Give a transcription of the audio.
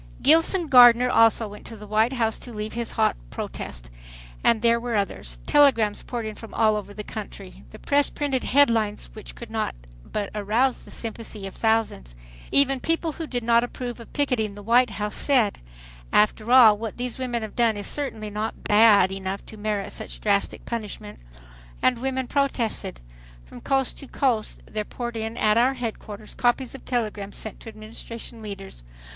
Gilson Gardner also went to the White House to leave his hot protest. And there were others. Telegrams poured in from all over the country. The press printed headlines which could not but arouse the sympathy of thousands. Even people who did not approve of picketing the White House said, "After all, what these women have done is certainly not 'bad' enough to merit such drastic punishment" And women protested. From coast to coast there poured in at our headquarters copies of telegrams sent to Administration leaders.